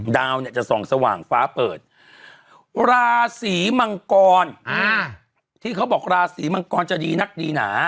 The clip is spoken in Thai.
ดาวเนี่ยจะส่องสว่างฟ้าเปิดราศีมังกรที่เขาบอกราศีมังกรจะดีนักดีหนา